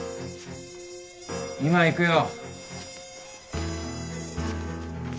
・今行くよ。